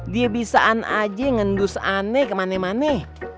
dia bisaan aja ngendus aneh kemane mane